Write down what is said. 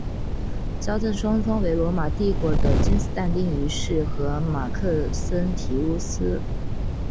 交战双方为罗马帝国的君士坦丁一世和马克森提乌斯。